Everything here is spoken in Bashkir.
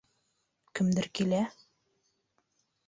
Кемдер килә.